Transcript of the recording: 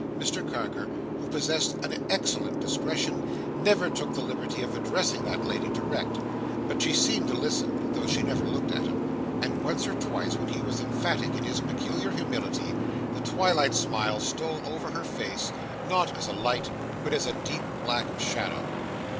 Mr Carker, who possessed an excellent discretion, never took the liberty of addressing that lady, direct; but she seemed to listen, though she never looked at him; and once or twice, when he was emphatic in his peculiar humility, the twilight smile stole over her face, not as a light, but as a deep black shadow.